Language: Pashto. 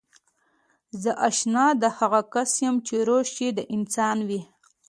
زه اشنا د هغه کس يم چې روش يې د انسان وي.